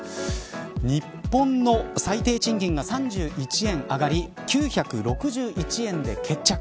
日本の最低賃金が３１円上がり９６１円で決着。